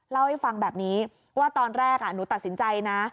เล่าให้ฟังแบบนี้ว่าตอนแรกหนูตัดสินใจนะ